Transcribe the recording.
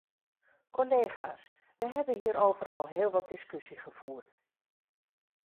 Collega's, we hebben hierover al heel wat discussie gevoerd.